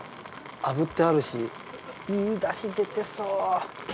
あぶってあるしいい出汁出てそう。